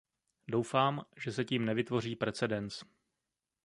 Doufám, že se tím nevytvoří precedens.